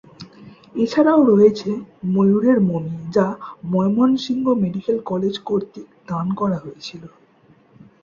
এছাড়াও রয়েছে ময়ূরের মমি যা ময়মনসিংহ মেডিকেল কলেজ কর্তৃক দান করা হয়েছিল।